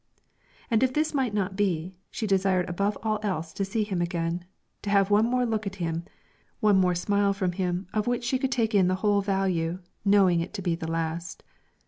And if this might not be, she desired above all else to see him again, to have one more look at him, one more smile from him of which she could take in the whole value, knowing it to be the last.